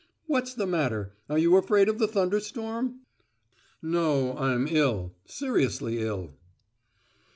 What's the matter? Are you afraid of the thunder storm?" "No, I'm ill—seriously ill!"